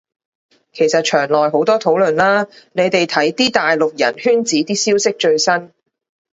其實牆內好多討論啦，你哋睇啲大陸人圈子啲消息最新